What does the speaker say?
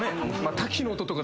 滝の音とか。